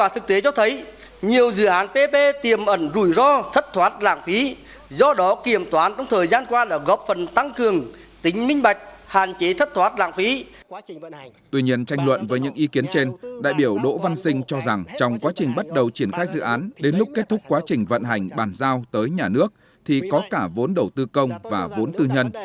tuy nhiên tranh luận với những ý kiến trên đại biểu đỗ văn sinh cho rằng trong quá trình bắt đầu triển khai dự án đến lúc kết thúc quá trình vận hành bàn giao tới nhà nước thì có cả vốn đầu tư công và vốn tư nhân